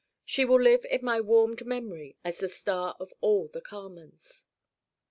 She will live in my warmed memory as the star of all the Carmens.